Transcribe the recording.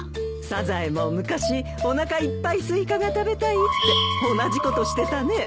サザエも昔おなかいっぱいスイカが食べたいって同じことしてたね。